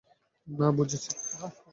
না, বুঝেছি।